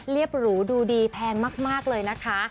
หรูดูดีแพงมากเลยนะคะ